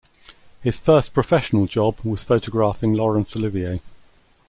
His first professional job was photographing Laurence Olivier.